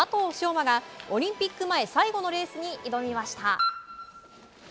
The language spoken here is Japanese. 馬がオリンピック前最後のレースに挑みました。